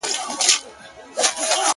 چي څيرلې يې سينې د غليمانو.!